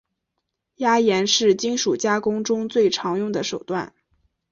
压延是金属加工中最常用的手段。